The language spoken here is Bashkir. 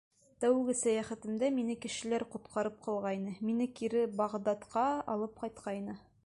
— Тәүге сәйәхәтемдә мине кешеләр ҡотҡарып ҡалғайны, мине кире Бағдадҡа алып ҡайтҡайны.